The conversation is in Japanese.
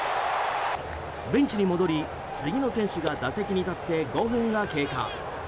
ベンチに戻り、次の選手が打席に立って５分が経過。